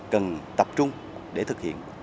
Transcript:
cần tập trung để thực hiện